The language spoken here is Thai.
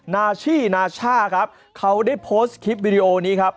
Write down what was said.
นาชี่นาช่าครับเขาได้โพสต์คลิปวิดีโอนี้ครับ